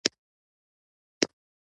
کاش چې زموږ شعرونه رښتیا وای.